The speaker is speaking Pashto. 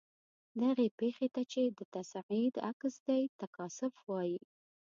دغې پیښې ته چې د تصعید عکس دی تکاثف وايي.